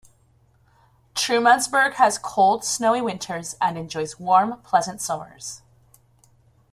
Trumansburg has cold, snowy winters and enjoys warm, pleasant summers.